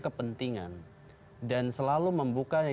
kepentingan dan selalu membuka yang